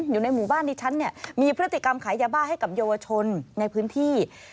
อยู่ในหมู่บ้านดิฉันเนี่ยมีพฤติกรรมขายยาบ้าให้กับเยาวชนในพื้นที่